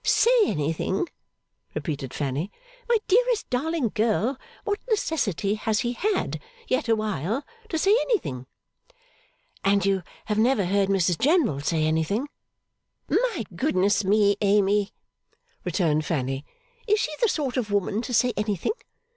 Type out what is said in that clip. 'Say anything?' repeated Fanny. 'My dearest, darling child, what necessity has he had, yet awhile, to say anything?' 'And you have never heard Mrs General say anything?' 'My goodness me, Amy,' returned Fanny, 'is she the sort of woman to say anything?